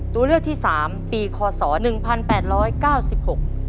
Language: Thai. ตัวเลือกที่สามปีคอสอหนึ่งพันแปดร้อยเก้าสิบหก